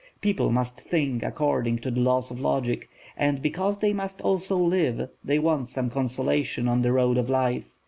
People must think according to the laws of logic. And because they must also live, they want some consolation on the road of life.